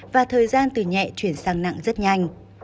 và thời gian từ nhẹ chuyển sang nặng rất nhanh